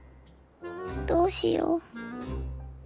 どうしよう。